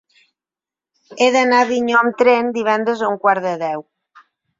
He d'anar a Avinyó amb tren divendres a un quart de deu.